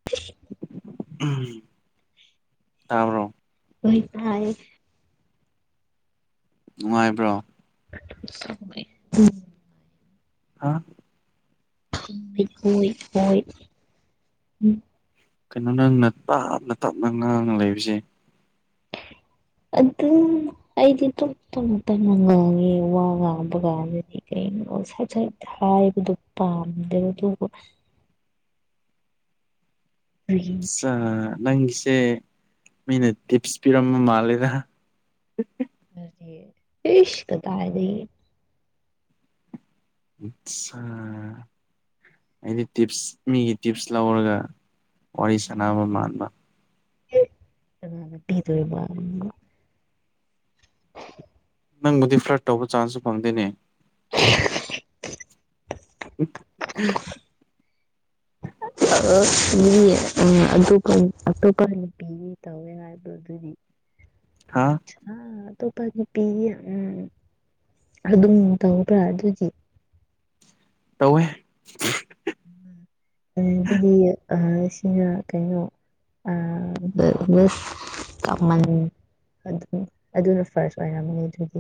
[unintelligible] ꯎꯝ ꯇꯥꯕꯔꯣ [unintelligible] ꯅꯨꯡꯉꯥꯏꯕ꯭ꯔꯣ [unintelligible] ꯍꯥꯥ [unintelligible] ꯀꯩꯅꯣ ꯅꯪꯅ ꯇꯞꯅ ꯇꯞꯅ ꯉꯥꯡꯅ ꯂꯩꯕꯁꯦ ꯑꯗꯨꯝ ꯑꯩꯗꯤ ꯗꯨꯝ ꯇꯞꯅ ꯇꯞꯅ ꯉꯥꯡꯉꯦ ꯋꯥ ꯉꯥꯡꯕꯒꯥꯟꯗꯗꯤ ꯀꯩꯅꯣ ꯁꯠ ꯁꯠ ꯍꯥꯏꯕꯗꯣ ꯄꯥꯝꯗꯦ ꯑꯗꯨꯕꯨ ꯑꯩꯒꯤ ꯆꯥ ꯅꯪꯒꯤꯁꯦ ꯃꯤꯅ ꯇꯤꯞꯁ ꯄꯤꯔꯝꯕ ꯃꯥꯜꯂꯦꯗ ꯅꯠꯇꯦ ꯏꯁ ꯀꯗꯥꯏꯗꯒꯤ ꯏꯠꯁꯥ ꯑꯩꯗꯤ ꯇꯤꯞꯁ ꯃꯤꯒꯤ ꯇꯤꯞꯁ ꯂꯧꯔꯒ ꯋꯥꯔꯤ ꯁꯥꯟꯅꯕ ꯃꯥꯟꯕ ꯑꯦ ꯀꯅꯥꯗ ꯄꯤꯗꯣꯏꯕ ꯑꯝ ꯅꯪꯕꯨꯗꯤ ꯐ꯭ꯂꯠ ꯇꯧꯕ ꯆꯥꯟꯁꯁꯨ ꯐꯪꯗꯦꯅꯦ ꯎꯝ ꯑꯁ ꯃꯤ ꯑꯗꯨꯞꯄ ꯑꯇꯣꯞꯄ ꯅꯨꯄꯤꯒ ꯇꯧ ꯅꯤꯉꯥꯏꯕ ꯑꯗꯨꯗꯤ ꯍꯥ ꯑ ꯑꯇꯣꯞꯄꯒꯤ ꯄꯤꯅꯤ ꯎꯝ ꯑꯗꯨꯝ ꯇꯧꯕ꯭ꯔꯥ ꯑꯗꯨꯒꯤ ꯇꯧꯋꯦ [unintelligible] ꯑꯗꯨꯗꯤ ꯑ ꯁꯤꯅ ꯀꯩꯅꯣ ꯑꯝ ꯑꯗ ꯗꯁ ꯀꯝꯃꯟ ꯑꯗꯨꯝ ꯑꯗꯨꯅ ꯐꯥꯔꯁ ꯑꯣꯏꯔꯝꯕꯅꯤ ꯑꯗꯨꯗꯤ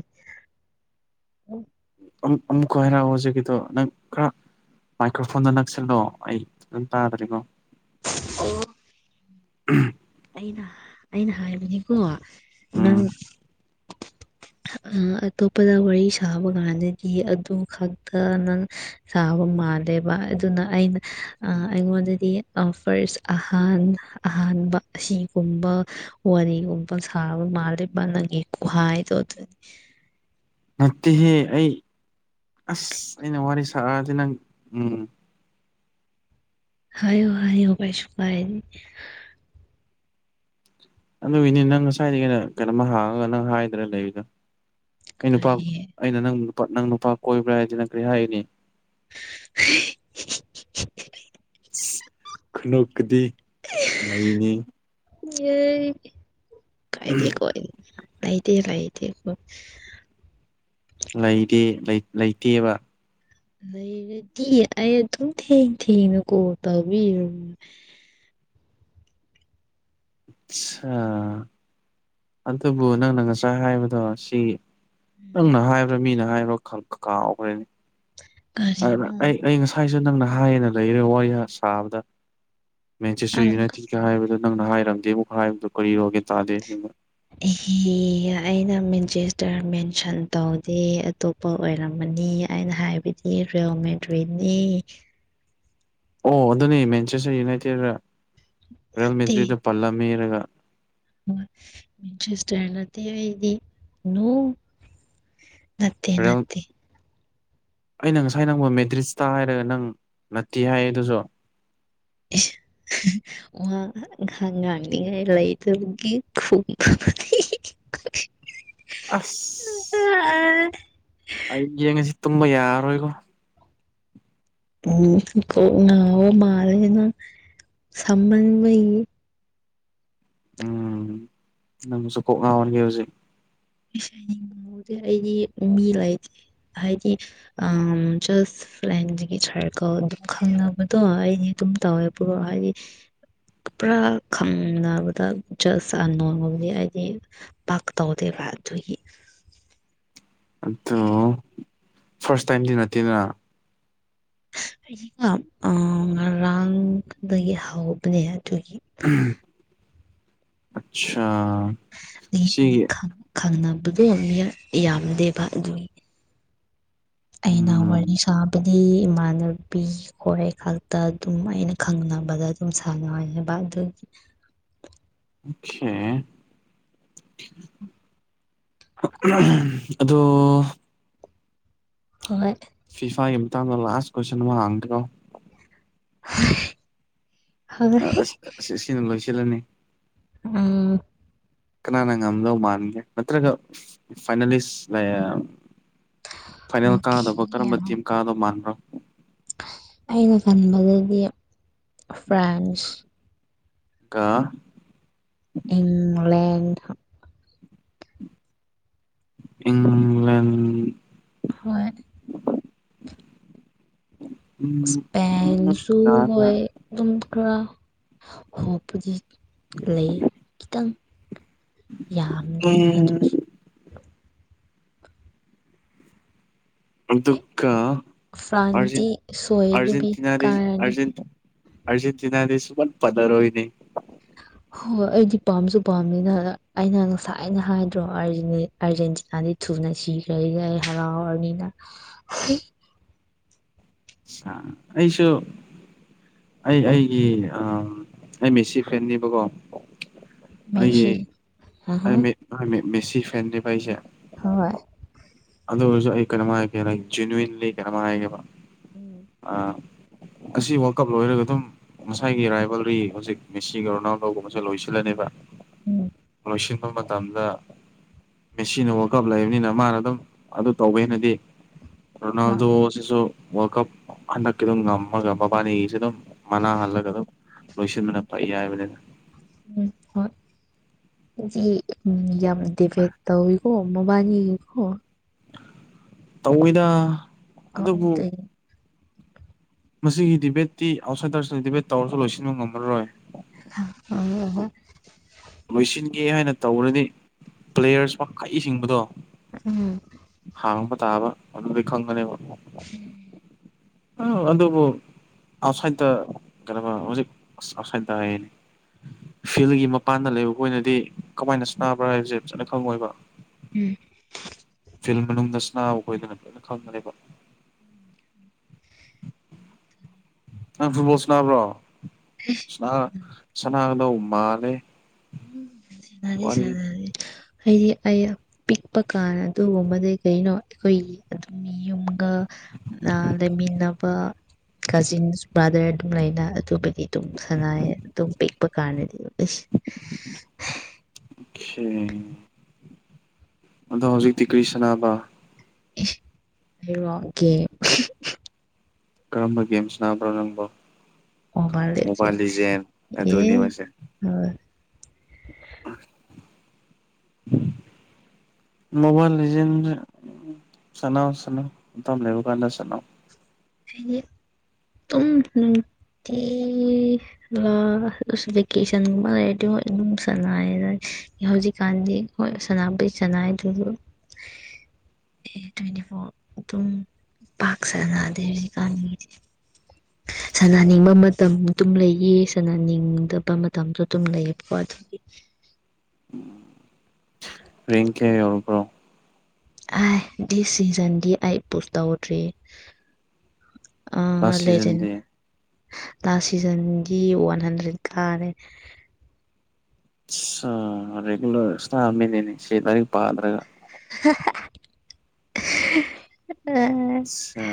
ꯑꯝ ꯑꯃꯨꯛꯀ ꯍꯥꯏꯅ ꯍꯧꯖꯤꯛꯀꯤꯗꯣ ꯅꯪ ꯈꯔ ꯃꯥꯏꯀ꯭ꯔꯐꯣꯟꯗ ꯅꯛꯁꯜꯂꯣ ꯑꯩ ꯐꯑꯟ ꯇꯥꯗ꯭ꯔꯤꯒꯣ ꯑꯣ ꯎꯝ ꯑꯩꯅ ꯑꯩꯅ ꯍꯥꯏꯕꯅꯦꯀꯣ ꯎꯝ ꯅꯪ ꯑꯇꯣꯞꯄꯗ ꯋꯥꯔꯤ ꯁꯥꯕ ꯒꯥꯟꯗꯗꯤ ꯑꯗꯨ ꯈꯛꯇ ꯅꯪ ꯁꯥꯕ ꯃꯥꯜꯂꯦꯕ ꯑꯗꯨꯅ ꯑꯩꯅ ꯑ ꯑꯩꯉꯣꯟꯗꯗꯤ ꯄꯥꯎꯁ ꯐꯥꯔꯁ ꯑꯍꯥꯟ ꯑꯍꯥꯟꯕ ꯑꯁꯤꯒꯨꯝꯕ ꯋꯥꯔꯤꯒꯨꯝꯕ ꯁꯥꯕ ꯃꯥꯜꯂꯤꯕꯅꯪꯒꯤ ꯀꯨꯍꯥꯏꯗꯣ ꯑꯗꯨꯅꯤ ꯅꯠꯇꯦꯍꯦ ꯑꯩ ꯑꯁ ꯑꯩꯅ ꯋꯥꯔꯤ ꯁꯥꯔꯑꯗꯤ ꯅꯪ ꯎꯝ ꯍꯥꯏꯌꯣ ꯍꯥꯏꯌꯣ ꯀꯩꯁꯨꯨ ꯄꯥꯏꯔꯤ ꯑꯗꯨꯒꯤꯅꯤ ꯅꯪ ꯉꯁꯥꯏꯗꯒꯤ ꯑꯩꯅ ꯀꯩꯅꯣꯝꯃ ꯍꯥꯡꯉꯒ ꯅꯪ ꯍꯥꯏꯗꯔ ꯂꯩꯔꯤꯗꯣ ꯑꯩ ꯅꯨꯄꯥ ꯀꯔꯤ ꯑꯩꯅ ꯅꯪ ꯅꯨꯄꯥ ꯅꯪ ꯅꯨꯄꯥ ꯀꯣꯏꯕ꯭ꯔꯥ ꯍꯥꯏꯗꯤ ꯅꯪ ꯀꯔꯤ ꯍꯥꯏꯒꯅꯤ [unintelligible] ꯈꯨꯅꯧꯀꯤꯗꯤ ꯃꯩꯅꯤ ꯌꯦ ꯀꯥꯏꯗꯤ ꯀꯣꯏ ꯉꯗꯤ ꯉꯥꯏꯗꯤ ꯀꯣꯏ ꯂꯩꯇꯦ ꯂꯩꯇꯦꯕ ꯂꯩꯔꯗꯤ ꯑꯩ ꯑꯗꯨꯝ ꯊꯦꯡ ꯊꯦꯡꯅꯀꯣ ꯇꯥꯕꯤꯔ ꯑ ꯑꯗꯨꯕꯨ ꯅꯪꯅ ꯉꯁꯥꯏ ꯍꯥꯏꯕꯗꯣ ꯁꯤ ꯎꯝ ꯅꯪꯅ ꯍꯥꯏꯕ꯭ꯔꯥ ꯃꯤꯅ ꯍꯥꯏꯕ꯭ꯔꯥ ꯀ ꯀꯥꯥꯎꯈ꯭ꯔꯦꯅꯤ ꯑꯗꯨ ꯀꯔꯤꯅꯣ ꯑꯩ ꯑꯩ ꯉꯁꯥꯏꯁꯨ ꯅꯪꯅ ꯍꯥꯏꯌꯦꯅ ꯂꯩꯔꯦ ꯋꯥꯔꯤ ꯁꯥꯕꯗ ꯃꯦꯟꯆꯦꯁꯇꯔ ꯅꯪ ꯌꯨꯅꯥꯏꯇꯤꯒ ꯍꯥꯏꯕꯗꯣ ꯅꯪꯅ ꯍꯥꯏꯔꯝꯗꯦ ꯑꯃꯨꯛ ꯍꯥꯏꯕꯗꯨꯣ ꯀꯔꯤꯔꯣꯒꯦ ꯇꯥꯗꯦ ꯑꯩ ꯑꯩꯌ ꯃꯦꯟꯆꯦꯁꯇꯔ ꯃꯦꯟꯁꯟ ꯇꯧꯗꯦ ꯑꯇꯣꯞ ꯄꯣ ꯑꯣꯏꯔꯝꯃꯅꯤ ꯑꯩꯅ ꯍꯥꯏꯕꯗꯤ ꯔꯤꯜ ꯃꯦꯗ꯭ꯔꯤꯅꯤ ꯑꯣ ꯑꯗꯨꯅꯦ ꯃꯦꯟꯆꯦꯁꯆ ꯌꯦꯡꯅꯥꯏꯊꯦꯔꯗ ꯔꯦꯜ ꯃꯦꯇ꯭ꯔꯤꯗ ꯄꯜꯂꯝꯃꯦꯔꯒ ꯃꯤꯟꯆꯤꯁꯇꯔꯅꯗꯤ ꯑꯩꯒꯤ ꯅꯣ ꯅꯠꯇꯦ ꯔꯤꯌꯦꯜ ꯅꯠꯇꯦ ꯑꯩꯅ ꯉꯁꯥꯏ ꯅꯪꯕꯣ ꯃꯦꯗ꯭ꯔꯤꯁꯇ ꯍꯥꯏꯔꯒ ꯅꯪ ꯅꯠꯇꯦ ꯍꯥꯏꯌꯦ ꯑꯗꯨꯁꯨ ꯑꯁ ꯋꯥ ꯉꯥꯡ ꯉꯥꯡꯅꯤꯡꯉꯥꯏ ꯂꯩꯇꯕꯒꯤ ꯈꯨꯝ [unintelligible] ꯑꯁ ꯑꯩ ꯌꯦꯡꯉꯁꯤ ꯇꯨꯝꯕ ꯌꯥꯔꯔꯣꯏꯒꯣ ꯎꯝ ꯀꯣ ꯉꯥꯎꯕ ꯃꯥꯂꯦ ꯅꯪ ꯁꯃꯟꯃꯩꯏ ꯎꯝ ꯅꯪꯕꯨꯁꯨ ꯀꯣꯛ ꯉꯥꯎꯍꯟꯒꯦ ꯍꯣꯖꯤꯛ ꯅꯤꯡꯕꯍꯗꯗꯤ ꯑꯩꯗꯤ ꯃꯤ ꯂꯩꯇꯦ ꯍꯥꯏꯗꯤ ꯑ ꯖꯁ ꯂꯥꯏꯟꯒꯤ ꯁꯔꯀꯣ ꯑꯗꯨꯝ ꯈꯪꯅꯕꯗꯣ ꯑꯩꯗꯤ ꯑꯗꯨꯝ ꯇꯧꯋꯦ ꯄꯨꯔꯣ ꯍꯥꯏꯗꯤ ꯄꯨꯔꯥ ꯈꯪꯅꯕꯗ ꯖꯁ ꯅꯣꯡꯃꯕꯨꯗꯤ ꯍꯥꯏꯗꯤ ꯄꯥꯥꯛ ꯇꯧꯗ ꯔꯕꯥꯏꯌꯦ ꯑꯗꯨ ꯐꯥꯔꯁ ꯇꯥꯏꯝꯗꯤ ꯅꯠꯇꯦꯗꯅ ꯑꯩꯀ ꯉꯔꯥꯡꯗꯒꯤ ꯍꯧꯕꯅꯦ ꯑꯗꯨꯒꯤ ꯑꯁꯥ ꯃꯤ ꯑꯅꯤ ꯈꯪꯅꯕꯗꯣ ꯌꯥꯝꯗꯦꯕ ꯑꯗꯨꯒꯤ ꯑꯩꯅ ꯎꯝ ꯋꯥꯔꯤ ꯁꯥꯕꯗꯤ ꯏꯃꯥꯟꯅꯕꯤ ꯍꯣꯏ ꯈꯛꯇ ꯑꯗꯨꯝ ꯑꯩꯅ ꯈꯪꯅꯕꯗ ꯑꯗꯨꯝ ꯁꯥꯟꯅꯉꯥꯏꯅꯦꯕ ꯑꯗꯨꯒꯤ ꯑꫭꯈꯦ ꯑꯗꯣ ꯍꯣꯏ ꯐꯤꯐꯥꯒꯤ ꯃꯇꯥꯡꯗ ꯂꯥꯁ ꯀꯣꯏꯁꯟ ꯑꯃ ꯍꯥꯡꯗ꯭ꯔꯣ ꯍ [unintelligible] ꯑ ꯑꯁ ꯁꯤꯅ ꯂꯣꯏꯁꯤꯜꯂꯅꯤ ꯎ [unintelligible] ꯀꯅꯥꯅ ꯉꯝꯗꯧ ꯃꯥꯟꯒꯦ ꯅꯠꯇ꯭ꯔꯒ ꯐꯥꯏꯅꯦꯂꯤꯁ ꯐꯥꯏꯅꯦꯜ ꯑꯣꯀꯦ ꯀꯥꯗꯕ ꯀꯔꯝꯕ ꯇꯤꯝ ꯀꯥꯗꯕ ꯃꯥꯟꯕ꯭ꯔꯣ ꯑꯩꯅ ꯈꯟꯕꯗꯗꯤ ꯐ꯭ꯔꯥꯟꯁ ꯀ ꯏꯪꯂꯦꯟ ꯏꯪꯂꯟ ꯍꯣꯏ ꯎꯝ ꯏꯁꯄꯦꯟꯁꯨꯨ ꯌꯥꯔꯦ ꯍꯣꯏ ꯌꯥꯔꯦ ꯑꯗꯨꯝ ꯈꯔ ꯍꫭꯞꯄꯨꯗꯤ ꯂꯩ ꯈꯤꯇꯪ ꯌꯥꯝꯗꯦ ꯑꯗꯨꯁꯨ ꯑꯩ ꯑꯗꯨꯒꯗ ꯑꯔꯖꯦꯟ ꯐ꯭ꯔꯥꯟꯁꯇꯤ ꯁꯣꯏꯗꯕꯤ ꯑꯔꯖꯦꯟꯇꯤꯅꯥꯗꯤ ꯀꯥꯔꯅꯤ ꯑꯔꯖꯦꯟꯇ ꯑꯔꯖꯦꯟꯇꯤꯅꯥꯗꯤ ꯁꯨꯄꯟ ꯄꯟꯅꯔꫭꯏꯅꯦ [inaudible] ꯍꯣꯏ ꯍꯣꯏ ꯑꯩꯗꯤ ꯄꯥꯝꯁꯨ ꯄꯥꯝꯅꯤꯅ ꯑꯩꯅ ꯉꯁꯥꯏꯅ ꯍꯥꯏꯗ꯭ꯔꯣ ꯑꯥꯔꯖꯦꯟꯇꯤꯅꯥꯗꯤ ꯊꯨꯅ ꯁꯤꯈ꯭ꯔꯦ ꯍꯔꯥꯎꯔꯅꯤ ꯅ ꯑ ꯑꯩꯁꯨ ꯑꯩ ꯑꯩꯒꯤ ꯑꯩ ꯃꯦꯁꯤ ꯐ‌ꯦꯟꯅꯦꯕꯀꯣ ꯃꯦꯁꯤ ꯑꯍ ꯃꯦꯁꯤ ꯐꯦꯟꯅꯦꯕ ꯑꯩꯁꯦ ꯍꯣꯏ ꯑꯗꯨ ꯑꯣꯏꯁꯨ ꯑꯩ ꯀꯩꯅꯣꯃ ꯍꯥꯏꯒꯦ ꯖꯅꯋꯟꯂꯤ ꯀꯩꯅꯣ ꯍꯥꯏꯒꯦꯕ ꯎꯝ ꯑꯥ ꯑꯁꯤ ꯋꯥꯔꯜ ꯀꯞ ꯂꯣꯏꯔꯒ ꯑꯗꯨꯝ ꯉꯁꯥꯏꯒꯤ ꯔꯥꯏꯕꯜꯔꯤ ꯍꯧꯖꯤꯛ ꯃꯤꯁꯤꯒ ꯔꫭꯅꯥꯜꯗꫭꯒꯨꯝꯕꯁꯦ ꯂꯣꯏꯁꯤꯜꯂꯅꯦꯕ ꯎꯝ ꯂꯣꯏꯁꯤꯟꯕ ꯃꯇꯝꯗ ꯃꯦꯁꯤꯅ ꯋꯥꯜꯀꯞ ꯂꯩꯕꯅꯤꯅ ꯃꯥꯅ ꯑꯗꯨꯝ ꯑꯗꯨ ꯇꯧꯕꯦꯅꯗꯤ ꯎꯝ ꯔꯣꯅꯥꯜꯗꯣꯁꯤꯁꯨ ꯋꯥꯜꯀꯞ ꯍꯟꯗꯛꯀꯤꯗꫭ ꯉꯝꯃꯒ ꯃꯕꯥꯟꯅꯤꯒꯤꯁꯦ ꯑꯗꯨꯝ ꯃꯅꯥꯍꯜꯂꯒ ꯑꯗꯨꯝ ꯂꯣꯏꯁꯤꯟꯕꯅ ꯐꯩ ꯍꯥꯏꯕꯅꯤꯗ ꯎꯝ ꯍꫭꯏ ꯌꯥꯝ ꯌꯝ ꯗꯤꯕꯦꯠ ꯇꯧ ꯑꯣ ꯃꯕꯥꯏꯅꯤ ꯀꯣ ꯇꯧꯋꯤꯗ ꯑ ꯑꯗꯨ ꯑꯗꯨꯕꯨ [unintelligible] ꯃꯁꯤꯒꯤ ꯗꯤꯕꯦꯠꯇꯤ ꯑꯥꯎ꯭ꯠꯁꯥꯏꯗꯔꯁꯤꯅ ꯗꯤꯕꯦꯠ ꯇꯧꯔꯁꯨ ꯂꯣꯏꯁꯤꯟꯕ ꯉꯝꯃꯔꯣꯏ ꯍꫭ -ꯍꫭ ‌ꯍꫭꯏ ꯂꯣꯏꯁꯤꯟꯒꯦ ꯍꯥꯏꯅ ꯇꯧꯔꯅꯤ ꯄ꯭ꯂꯦꯌꯔꯁ ꯃꯈꯛꯁꯤꯡꯕꯗꯣ ꯎꯝ ꯍꯥꯡꯕ ꯇꯥꯕ ꯑꯗꯨꯗꯤ ꯈꯪꯒꯅ‌ꯦꯕ ꯎꯝ ꯑ ꯑꯗꯨꯕꯨ ꯑꯥꯎꯠꯁꯥꯏꯠꯇ ꯀꯗꯧꯕ ꯍꯧꯖꯤꯛ ꯑ ꯑꯥꯎꯠꯁꯥꯏꯠꯇ ꯍꯥꯏ ꯐꯤꯜꯒꯤ ꯃꯄꯥꯟꯗ ꯂꯩꯕ ꯑꯣꯏꯅꯗꯤ ꯀꯃꯥꯏꯅ ꯁꯅꯥꯕ꯭ꯔꯥ ꯍꯥꯏꯕꯁꯦ ꯐꯖꯅ ꯈꯪꯉꯣꯏꯕ ꯐꯤꯜ ꯃꯅꯨꯡꯗ ꯁꯅꯥꯎ ꯈꯣꯏꯗꯅ ꯂꯣꯏꯅ ꯈꯪꯒꯅꯦꯕ [inaudible] ꯅꯪ ꯐꯨꯠꯕꯣꯜ ꯁꯅꯥꯕ꯭ꯔꯣ ꯁꯅꯥꯒꯗꯧ ꯃꯥꯜꯂꯦ ꯁꯥꯅꯗ‌ꯦ ꯋꯥꯔꯤꯁꯦ ꯁꯥꯅꯗ‌ꯦ ꯍꯥꯏꯗ ꯑꯩ ꯄꯤꯛꯄ ꯀꯥꯟ ꯑꯗꯨꯒꯨꯝꯕꯗꯤ ꯀꯩꯅꯣ ꯑꯩꯈꯣꯏꯒꯤ ꯑꯗꯨꯝ ꯌꯨꯝꯒ ꯑ ꯂꯩꯃꯤꯟꯅꯕ ꯀꯖꯤꯟꯕꯔꯗꯔ ꯑꯗꯨ ꯂꯩꯅ ꯑꯗꯨꯕꯨꯗꯤ ꯑꯗꯨꯝ ꯁꯅꯥ ꯑꯗꯨꯝ ꯄꯤꯛꯄ ꯀꯥꯟꯅꯗꯤ ꯑꯁ ꯈ‌ꯦ ꯑꯗꯣ ꯍꯧꯖꯤꯛꯇꯤ ꯀ꯭ꯔꯤ ꯁꯥꯟꯅꯕ ꯑꯩꯔꫭ ꯖ‌ꯦ ꯀꯔꯝꯕ ꯒꯦꯝ ꯁꯅꯥꯕ꯭ꯔꯣ ꯅꯪꯕꯣ ꯑꯣꯕꯥꯁ ꯂꯤꯖ ꯃꯣꯕꯥꯏꯜ ꯂꯤꯖꯦꯟ ꯑꯦ ꯑꯗꯨꯅꯤ ꯍ ꯑ [inaudible] ꯃꯣꯕꯥꯏꯜ ꯂꯤꯖꯦꯟ ꯁꯠꯅꯧ ꯁꯟꯅꯧ ꯃꯇꯝ ꯂꯩꯕ ꯀꯥꯟꯗ ꯁꯠꯅꯧ ꯍꯥꯏꯗꯤ ꯇꯨꯝ ꯅꯨꯡꯇꯤ ꯚꯦꯀꯦꯁꯟꯒꯨꯝꯕ ꯂꯩꯗꯤ ꯑꯗꯨꯝ ꯁꯂ ꯍꯧꯖꯤꯛꯀꯥꯟꯗꯤ ꯍꯣꯏ ꯁꯅꯥꯄꯍꯤ ꯆꯅꯥꯏꯗꯨꯁꯨ ꯑꯦ ꯇ꯭ꯋꯦꯟꯇꯤ ꯐꯣꯔ ꯑꯗꯨꯝ ꯄꯥꯛ ꯁꯅ ꯀ [unintelligible] ꯁꯥꯟꯅꯅꯤꯡꯕ ꯃꯇꯝ ꯑꯗꯨꯝ ꯂꯩꯌꯦ ꯁꯥꯟꯅꯅꯤꯡꯗꯕ ꯃꯇꯝꯗꯣ ꯑꯗꯨꯝ ꯂꯩꯌꯦꯕꯀꯣ ꯑꯗꯨꯒꯤ ꯔ‌ꯦꯡ ꯀꯌꯥ ꯌꯧꯔꯕ꯭ꯔꯣ ꯑ ꯗꯤ ꯁꯤꯖꯟꯗꯤ ꯑꯩ ꯄꯨꯁ ꯇꯧꯗ꯭ꯔꯤ ꯑ ꯂꯥꯁ ꯂꯦꯖ‌ꯦꯟ ꯁꯤꯖꯟꯗꯤ ꯂ‌ꯦꯖ‌ꯦꯟꯒꯤ ꯋꯥꯟ ꯍꯟꯗ꯭ꯔꯦꯠ ꯀꯥꯔꯦ ꯁꯥ ꯔꯤꯒꯨꯂꯔ [unintelligible] ꯁꯤ ꯂꯥꯏꯔꯤꯛ ꯄꯥꯗ꯭ꯔꯒ ꯍꯥ ꯍꯥ ꯑ ꯑꯆꯥ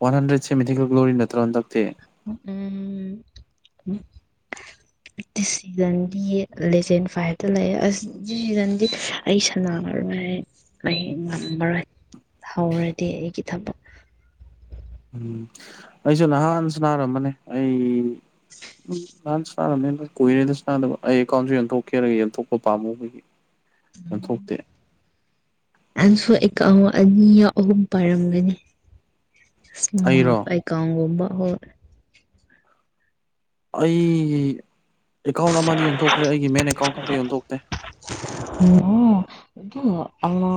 ꯋꯥꯟ ꯍꯟꯗ꯭ꯔꯦꯠꯁꯦ ꯃꯤꯊꯤꯀꯜ ꯒ꯭ꯂꯣꯔꯤ ꯅꯠꯇ꯭ꯔꯣ ꯍꯟꯗꯛꯇꯤ ꯎꯝ ꯑꯁ ꯁꯤꯖꯟꯗꯤ ꯂꯦꯖꯦꯟ ꯐꯥꯏꯚꯇ ꯂꯩ ꯑꯁ ꯗꯤꯁꯤꯖꯟꯗꯤ ꯑꯩ ꯁꯅꯥꯔꯣꯏ ꯑꯩ ꯑꯩ ꯉꯝꯃꯔꯣꯏ ꯍꯧꯔꯗꯤ ꯑꯩꯒꯤ ꯊꯕꯛ ꯎꯝ ꯑꯩꯁꯨ ꯅꯍꯥꯟ ꯁꯅꯥꯔꯝꯕꯅꯦ ꯑꯩ ꯅꯍꯥꯟ ꯁꯥꯟꯅꯕꯅꯦꯅ ꯀꯨꯏꯔꯦꯗ ꯁꯥꯟꯗꯕ ꯑꯩ ꯑꯦꯀꯥꯎꯟꯁꯨ ꯌꯟꯊꯣꯛꯀꯦꯔꯒ ꯌꯦꯟꯊꯣꯛꯄ ꯄꯥꯝꯃꯨꯕꯒꯤ ꯌꫭꯟꯊꯣꯛꯇꯦ ꯅꯪꯁꯨ ꯑ‌ꯦꯀꯥꯎꯟ ꯑꯅꯤ ꯑꯍꯨꯝ ꯄꯥꯏꯔꯝꯒꯅꯤ ꯑꯩꯔꯣ ꯀꯥꯎꯒꯨꯝꯕ ꯍꫭꯏ ꯑꯩꯒꯤ ꯑꯦꯀꯥꯎꯟ ꯑꯃꯗꯤ ꯌꯣꯟꯊꯣꯛꯈ꯭ꯔꯦ ꯑꯩꯒꯤ ꯃꯦꯟ ꯑꯦꯀꯥꯎꯟ ꯈꯛꯇ ꯌꯣꯟꯊꯣꯛꯇꯦ ꯑ ꯑ ꯑꯅ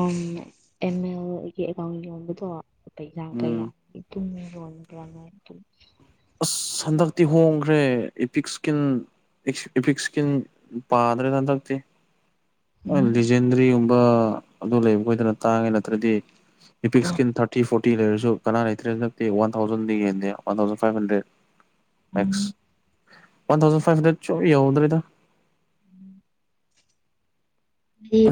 ꯑꯦꯝ ꯑꯦꯜꯒꯤ ꯑꯦꯀꯥꯎꯟ ꯌꯣꯟꯕꯗꯣ ꯄꯩꯁꯥ ꯎꯝ ꯀꯌꯥ ꯇꯨꯝꯃꯤ ꯂꯣꯟꯗ꯭ꯔꯅ ꯑꯗꯨ ꯑꯁ ꯍꯟꯗꯛꯇꯤ ꯍꯣꯡꯈ꯭ꯔꯦ ꯏꯄꯤꯛ ꯏꯁꯀꯤꯟ ꯏꯐꯤꯛ ꯏꯁꯀꯤꯟ ꯄꯥꯗ꯭ꯔꯦꯗ ꯍꯟꯗꯛꯇꯤ ꯂꯤꯖꯦꯟꯗ꯭ꯔꯤꯒꯨꯝꯕ ꯑꯗꯨ ꯂꯩꯕ ꯈꯣꯏꯗꯅ ꯇꯥꯡꯉꯦ ꯅꯠꯇ꯭ꯔꯗꯤꯄꯤꯛꯁꯀꯤ ꯊꯥꯔ ꯊ꯭ꯔꯤ ꯐꯣꯔꯇꯤ ꯂꯩꯔꯁꯨ ꯀꯅꯥ ꯂꯩꯇ꯭ꯔꯦ ꯍꯟꯗꯛꯇꯤ ꯋꯥꯟ ꯊꯥꯎꯖꯟꯗꯤ ꯌꯦꯡꯗꯦ one thousand five hundred next ꯎꯝ ꯋꯥꯟ ꯊꯥꯎꯖꯟ ꯐꯥꯏꯚ ꯍꯟꯗꯔ‌ꯦꯠ ꯁꯨꯠ ꯌꯧ ꯌꯧꯗ꯭ꯔ‌ꯦꯗ ꯑꯩ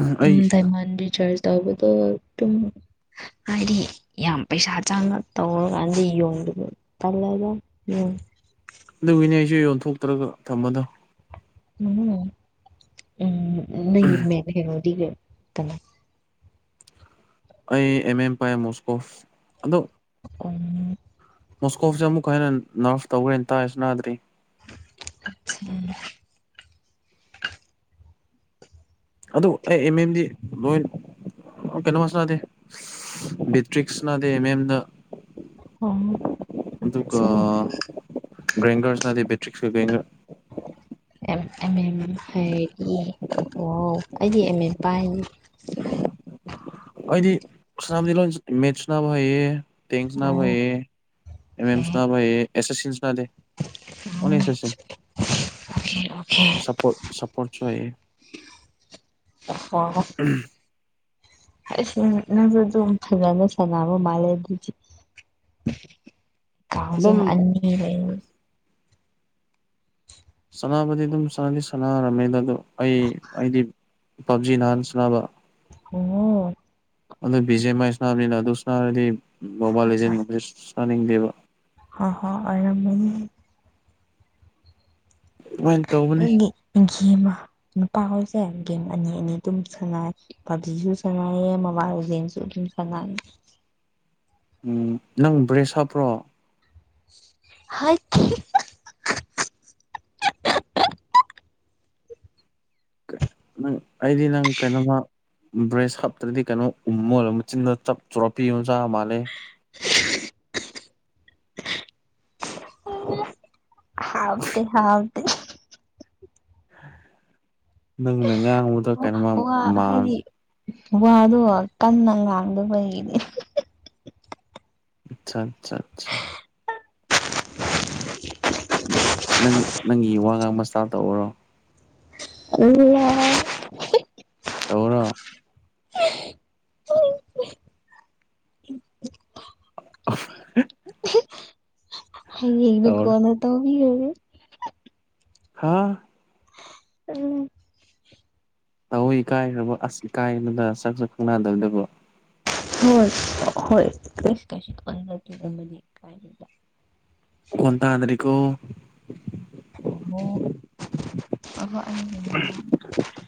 ꯗꯥꯏꯃꯟ ꯔꯤꯆꯥꯔꯖ ꯇꯧꯕꯗꯣ ꯑꯗꯨꯝ ꯍꯥꯏꯗꯤ ꯌꯥꯝ ꯄꯩꯁꯥ ꯆꯥꯡꯅ ꯇꯧꯔꯒꯥꯟꯗ ꯌꯣꯟ ꯇꯜꯂ‌ꯦꯗ ꯎꯝ ꯑꯗꯨꯒꯤꯅꯦ ꯑꯩꯁꯨ ꯌꯣꯟꯊꯣꯛꯇ꯭ꯔꯒ ꯊꯝꯕꯗ‌ꯣ ꯎꯝ ꯎꯝ ꯅꯪꯒꯤ ꯃꯦ ꯀꯩꯅ‌ꯣꯗꯤ ꯀꯅꯥ ꯑꯩ ꯑꯦꯝ ꯑꯦꯝ ꯄꯥꯏ ꯃꯣꯁꯀꯣꯚ ꯑꯗꯣ [unintelligible] ꯃꯣꯁꯀꯣꯞꯁꯦ ꯑꯃꯨꯛꯀ ꯍꯟꯅ ꯅꯔꯐ ꯇꯧꯈ꯭ꯔꯦꯅ ꯇꯥꯏ ꯁꯅꯥꯗ꯭ꯔꯤ [unintelligible] ꯑꯗꯨ ꯑꯩ ꯑꯦꯝ ꯑꯦꯝꯗꯤ ꯂꯣꯏ ꯀꯩꯅꯣ ꯁꯅꯗꯦ ꯕꯦꯇ꯭ꯔꯤꯛꯁꯅꯥꯗ ꯑꯦꯝ‌ ꯑ‌ꯦꯝ ꯗ ꯑꯣ ꯑꯗꯨꯒ ꯑꯠꯆꯥ ꯒꯔ‌ꯦ꯭ꯡꯒꯔ ꯁꯅꯗ‌ꯦ ꯕꯦꯇ꯭ꯔꯤꯛꯁꯀ ꯒꯔꯦ꯭ꯡꯒꯔ ꯑ ꯑꯦꯝ ꯑꯦꯝ ꯍꯩꯔꯤ ꯋꯥꯎ ꯑꯩꯗꯤ ꯑꯦ ꯃꯤꯠ ꯄꯥꯏꯅꯤ ꯑꯩꯗꯤ ꯁꯅꯥꯟꯗꯤ ꯂꯣꯏꯟ ꯃꯦꯠꯁ ꯁꯟꯕ ꯍꯩꯌꯦ ꯇꯦꯡ ꯁꯥꯅꯕꯥ ꯑꯥ ꯍꯩꯌ‌ꯦ ꯑꯦꯝ ꯑꯦꯝꯁ ꯑꯣꯀꯦ ꯁꯅꯕ ꯍꯩꯌ‌ꯦ ꯑ‌ꯦꯁꯥꯁꯤꯟꯁ ꯄꯥꯏꯗ‌ꯦ ꯑ‌ꯣꯟꯂꯤ ꯎꯝ ꯑ‌ꯦꯁꯥꯁꯤꯟꯁ ꯑꯣꯀꯦ ꯑꯣꯀꯦ ꯁꯄꯣꯠꯇ ꯁꯄ‌ꯣꯔꯠꯁꯨ ꯍꯩꯌ‌ꯦ [unintelligible] [inaudible] ꯑꯁ ꯅꯪꯁꯨ ꯑꯗꯨꯝ ꯐꯖꯅ ꯁꯥꯟꯅꯕ ꯃꯥꯜꯂꯦ ꯑꯗꯨꯗꯤ ꯀꯥꯎꯖ ꯑꯗꯨꯝ ꯑꯅꯤ ꯂꯩ ꯁꯥꯟꯅꯕꯗꯤ ꯑꯗꯨꯝ ꯁꯥꯟꯅꯗꯤ ꯁꯥꯟꯅꯔꯝꯃꯦꯗ ꯑꯗꯣ ꯑꯩ ꯑꯩꯗꯤ ꯄꯞꯖꯤ ꯅꯥꯍꯥꯟ ꯁꯥꯟꯅꯕ ꯑꯣ ꯑꯗꯨ ꯕꯤ ꯖꯦꯝ ꯃꯥꯏ ꯁꯅꯥꯅꯕꯅꯤꯅ ꯑꯗꯨ ꯁꯥꯟꯔꯗꯤ ꯃꯣꯕꯥꯏꯜ ꯂꯤꯖ‌ꯦꯟ ꯒꯨꯝꯕꯁꯤ ꯁꯟꯅꯥꯅꯤꯡꯗ‌ꯦꯕ ꯍ ꯍ‌ꯣ ꯑ‌ꯣꯏꯔꯝꯃꯥꯅꯤ ꯍ‌ꯣꯏꯅ‌ꯦ ꯑꯗꯨꯗꯒꯤ ꯒꯦꯝꯃ ꯅꯨꯄꯥꯍ‌ꯣꯏꯁꯦ ꯒꯦꯝ ꯑꯅꯤ ꯑꯅꯤ ꯑꯗꯨꯝ ꯁꯥꯟꯅꯩ ꯄꯥꯕꯖꯤꯁꯨ ꯁꯥꯅꯩꯌꯦ ꯃ‌ꯣꯕꯥꯜꯂ‌ꯦꯖꯦꯟꯁꯨ ꯑꯗꯨꯝ ꯁꯅꯩ ꯎꯝ ꯅꯪ ꯕ꯭ꯔꯦꯁ ꯍꯥꯞꯄ꯭ꯔꯣ ꯍꯥꯏꯈꯤ ꯀꯩ ꯅꯪ ꯑꯩꯗꯤ ꯅꯪ ꯀꯩꯅꯣꯃ ꯕ꯭ꯔꯦꯁ ꯍꯥꯞꯇ꯭ꯔꯗꯤ ꯀꯩꯅꯣ ꯎꯝꯃꯣꯏꯔꯣ ꯃꯆꯤꯟꯗ ꯆꯞ ꯆꯣꯔꯞꯄꯤ ꯌꯣꯆꯥꯥ ꯃꯥꯜꯂꯦ ꯍꯥꯥꯞꯇꯦ ꯍꯥꯞ ꯅꯪ ꯉꯥꯡꯕꯗꯣ ꯀꯩꯅꯣꯃ ꯋꯥ ꯃꯥꯟ ꯍꯥꯏꯗꯤ ꯋꯥꯗꯣ ꯀꯟꯅ ꯉꯥꯡꯗꯕꯕꯩꯅꯤ ꯑꯆꯥ ꯑꯆꯥ ꯑꯆꯥ ꯅꯪ ꯅꯪꯒꯤ ꯋꯥ ꯉꯥꯡꯕ ꯁꯇꯥꯏꯜ ꯇꯧꯔꯔꯣ [unintelligible] ꯇꯧꯔ‌ꯣ [unintelligible] [unintelligible] ꯍꯌꯦꯡꯅ ꯇꯧꯔꯣ ꯀ‌ꯣꯜꯅ ꯇꯧꯕꯤ ꯂ‌ꯣꯏꯔ‌ꯦ ꯍꯥꯥ ꯎꯝ ꯇꯧꯏ ꯏꯀꯥꯏꯈ꯭ꯔꯕ ꯑꯁ ꯏꯀꯥꯏꯗ ꯁꯥꯛꯁꯨ ꯈꯪꯅꯗꯕꯗꯕ ꯍꯣꯏ ꯍꯣꯏ ꯀꯩꯁꯨ [unintelligible] ꯈ‌ꯣꯟ ꯇꯥꯗ꯭ꯔ‌ꯦꯀꯣ [unintelligible]